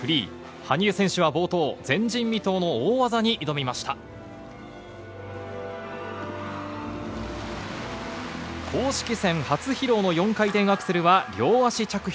羽生選手は冒頭、前人未到の大技公式戦初披露の４回転アクセルは両足着氷。